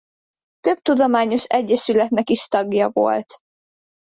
Több tudományos egyesületnek is tagja volt.